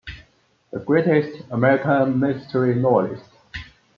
The greatest American mystery novelist.